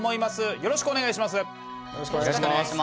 よろしくお願いします。